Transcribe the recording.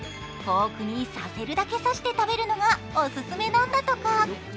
フォークに刺せるだけ刺して食べるのがおすすめなんだとか。